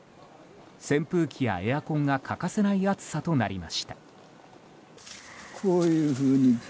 扇風機やエアコンが欠かせない暑さとなりました。